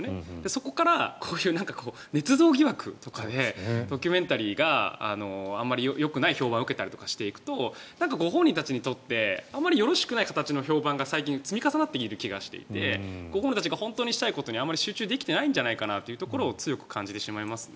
そこからこういうねつ造疑惑とかでドキュメンタリーがあまりよくない評判を受けたりしていくとご本人たちにとってあまりよろしくない形の評判が最近積み重なってきている気がして本人たちが本当にしたいことにあまり集中できていないんじゃないかなということを強く感じてしまいますね。